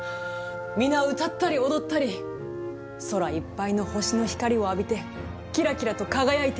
皆歌ったり踊ったり空いっぱいの星の光を浴びてキラキラと輝いている。